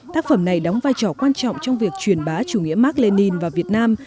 tác phẩm này đóng vai trò quan trọng trong việc truyền bá chủ nghĩa mạc lê ninh vào việt nam